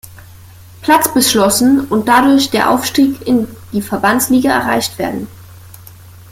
Platz beschlossen und dadurch der Aufstieg in die Verbandsliga erreicht werden.